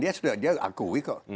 dia sudah dia akui kok